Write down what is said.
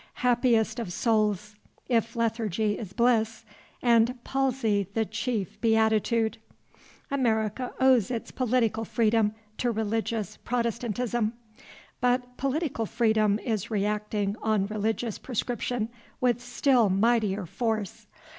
Happiest of souls, if lethargy is bliss, and palsy the chief beatitude! America owes its political freedom to religious Protestantism. But political freedom is reacting on religious prescription with still mightier force.